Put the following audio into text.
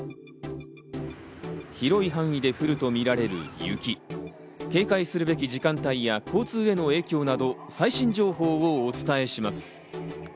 広い範囲で降るとみられる雪、警戒するべき時間帯や交通への影響など、最新情報をお伝えします。